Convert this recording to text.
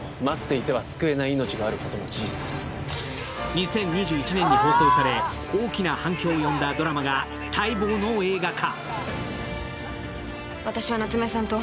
２０２１年に放送され大きな反響を呼んだドラマが待望の映画化。